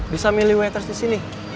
bisa milih waitress disini